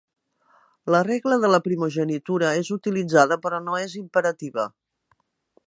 La regla de la primogenitura és utilitzada però no és imperativa.